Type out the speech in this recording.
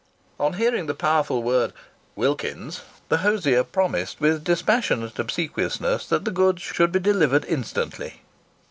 On hearing the powerful word "Wilkins's," the hosier promised with passionate obsequiousness that the goods should be delivered instantly.